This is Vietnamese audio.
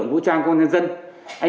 bộ ngoan còn ưu tiên xét tuyển